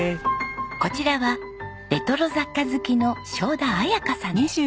こちらはレトロ雑貨好きの正田彩香さんです。